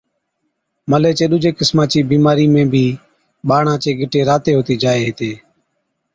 ملي چي ڏُوجي قِسما چِي بِيمارِي ۾ بِي ٻاڙان چي گِٽي راتي هُتِي جائي هِتي